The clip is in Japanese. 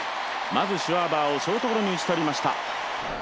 まずシュワーバーをショートゴロに打ち取りました。